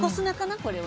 これは。